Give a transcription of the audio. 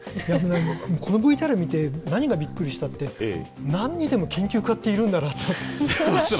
このＶＴＲ見て、何がびっくりしたって、なんにでも研究家っているんだなって。